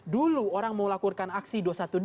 dulu orang mau lakukan aksi dua ratus dua belas